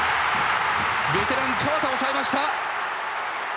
ベテラン河田抑えました。